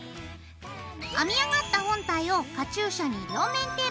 編み上がった本体をカチューシャに両面テープでとめます。